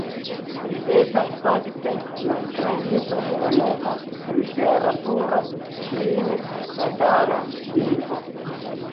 Li estas fakte la kreinto de la nova literatura krime-tatara lingvo.